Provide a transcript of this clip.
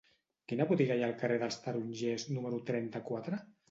Quina botiga hi ha al carrer dels Tarongers número trenta-quatre?